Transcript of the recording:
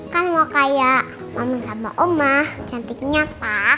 kan mau kayak momen sama oma cantiknya pak